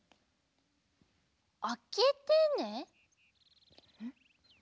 「あけてね」？